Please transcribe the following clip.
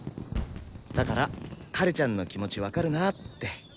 だからハルちゃんの気持ち分かるなって。